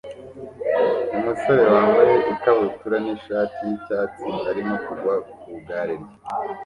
Umusore wambaye ikabutura nishati yicyatsi arimo kugwa ku igare rye